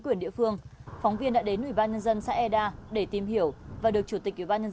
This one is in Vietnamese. quyền địa phương phóng viên đã đến ủy ban nhân dân xã eda để tìm hiểu và được chủ tịch ủy ban nhân